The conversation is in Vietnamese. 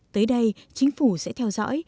tới đây chính phủ sẽ theo dõi